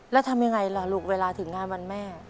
แล้วทำยังไงล่ะลูกเวลาถึงงานวันแม่